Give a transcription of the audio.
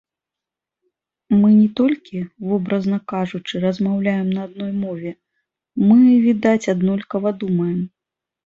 Мы не толькі, вобразна кажучы, размаўляем на адной мове, мы, відаць, аднолькава думаем.